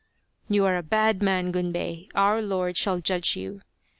"You are a bad man, Gunbei. Our Lord shall judge you."